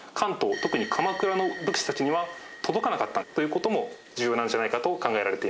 特に鎌倉の武士たちには届かなかったという事も重要なんじゃないかと考えられています。